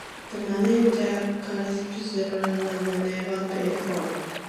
The merger collapsed, and the transmitter was never paid for.